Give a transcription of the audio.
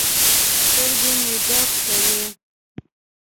سترګې مې درد کوي